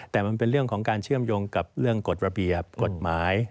แต่มันเป็นเรื่องของการเชื่อมโยงกับเรื่องกฎระเบียบกฎหมาย